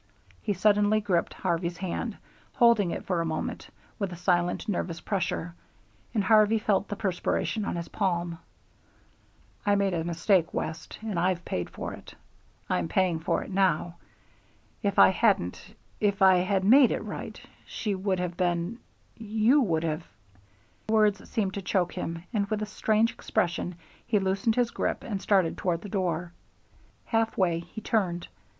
He suddenly gripped Harvey's hand, holding it for a moment with a silent, nervous pressure, and Harvey felt the perspiration on his palm. "I made a mistake, West, and I've paid for it I'm paying for it now. If I hadn't If I had made it right, she would have been you would have " The words seemed to choke him, and with a strange expression he loosened his grip and started toward the door. Halfway he turned.